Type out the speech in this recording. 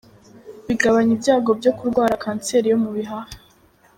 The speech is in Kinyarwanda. Bigabanya ibyago byo kurwara kanseri yo mu buhaha.